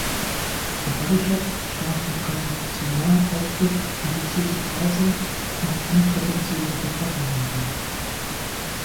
The Body Shop stach durch einen funktionalen Auftritt, reduzierte Preise und unprätentiöse Verpackungen hervor.